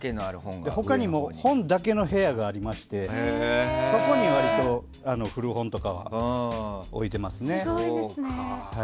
他にも本だけの部屋がありましてそこに割と古本とかは置いてますね。